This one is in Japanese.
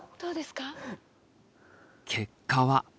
結果は？